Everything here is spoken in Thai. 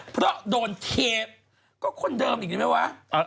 เพราะโดนเทปก็คนเดิมอีกนะไงวะ